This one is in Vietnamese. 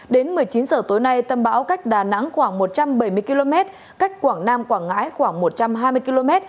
đến một mươi chín h tối nay tâm bão cách đà nẵng khoảng một trăm bảy mươi km cách quảng nam quảng ngãi khoảng một trăm hai mươi km